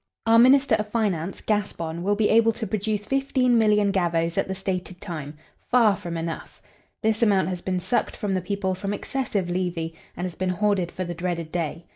"Our minister of finance, Gaspon, will be able to produce fifteen million gavvos at the stated time far from enough. This amount has been sucked from the people from excessive levy, and has been hoarded for the dreaded day.